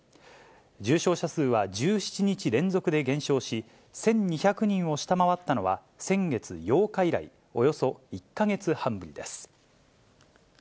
重症者数は１７日連続で減少し、１２００人を下回ったのは先月８日以来、およそ１か月半ぶりです。